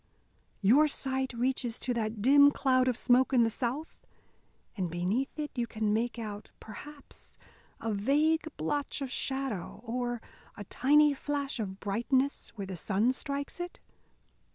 Your sight reaches to that dim cloud of smoke in the south? And beneath it you can make out, perhaps, a vague blotch of shadow, or a tiny flash of brightness where the sun strikes it?